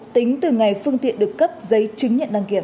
tính từ ngày phương tiện được cấp giấy chứng nhận đăng kiểm